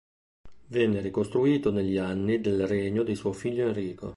Venne ricostruito negli anni del regno di suo figlio Enrico.